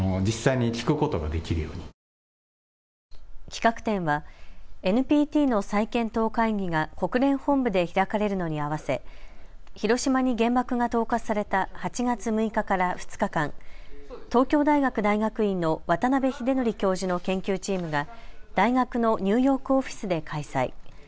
企画展はＮＰＴの再検討会議が国連本部で開かれるのに合わせ広島に原爆が投下された８月６日から２日間、東京大学大学院の渡邉英徳教授の研究チームが大学のニューヨークオフィスで開催。